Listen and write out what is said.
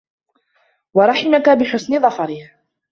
وَرَحِمَك بِحُسْنِ ظَفَرِهِ